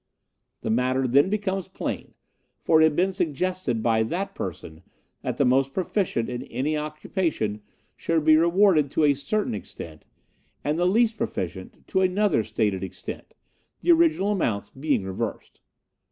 The matter then becomes plain, for it had been suggested by that person that the most proficient in any occupation should be rewarded to a certain extent, and the least proficient to another stated extent, the original amounts being reversed.